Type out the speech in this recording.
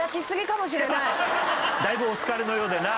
だいぶお疲れのようでな。